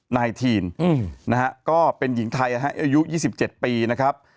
นะฮะก็เป็นหญิงไทยนะฮะอายุ๒๗ปีนะครับ